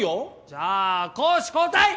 じゃあ攻守交代！